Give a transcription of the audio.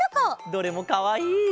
どれもかわいい！